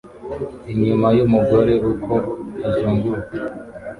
Inyuma yumugore uko azunguruka